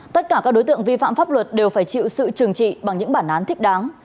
tất cả các đối tượng vi phạm pháp luật đều phải chịu sự trừng trị bằng những bản án thích đáng